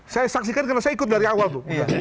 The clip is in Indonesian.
saya saksikan karena saya ikut dari awal tuh